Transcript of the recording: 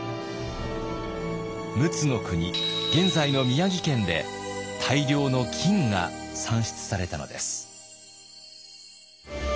陸奥国現在の宮城県で大量の金が産出されたのです。